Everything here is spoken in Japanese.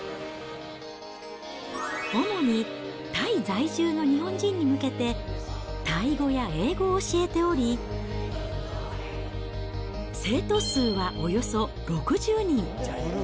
主にタイ在住の日本人に向けて、タイ語や英語を教えており、生徒数はおよそ６０人。